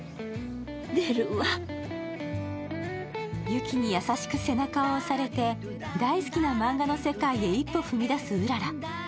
雪に優しく背中を押されて大好きな漫画の世界へ一歩踏み出すうらら。